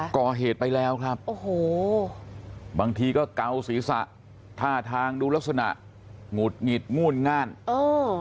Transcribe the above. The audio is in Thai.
ก่อเหตุไปแล้วครับโอ้โหบางทีก็เกาศีรษะท่าทางดูลักษณะหงุดหงิดง่านเออ